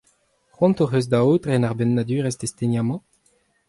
Cʼhoant hocʼh eus da aotren ar bennadurezh testeniañ-mañ ?